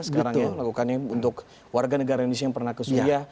sekarang ya lakukannya untuk warga negara indonesia yang pernah ke suria